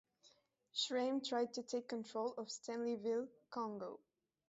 Schramme tried to take control of Stanleyville, Congo.